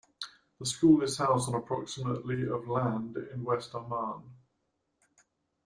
The School is housed on approximately of land in West Amman.